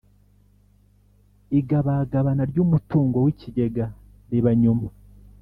igabagabana ry umutungo w ikigega riba nyuma